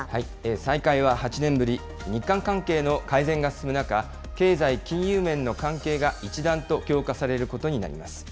再開は８年ぶり、日韓関係の改善が進む中、経済・金融面の関係が一段と強化されることになります。